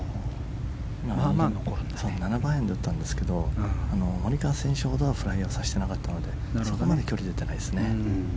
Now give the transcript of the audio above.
７番アイアンで打ったんですがモリカワ選手ほどはフライヤーさせてなかったのでそこまで距離は出てないです。